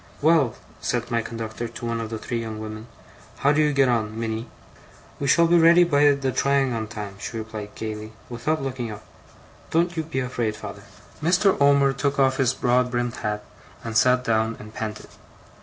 'Well,' said my conductor to one of the three young women. 'How do you get on, Minnie?' 'We shall be ready by the trying on time,' she replied gaily, without looking up. 'Don't you be afraid, father.' Mr. Omer took off his broad brimmed hat, and sat down and panted.